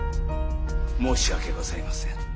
申し訳ございません。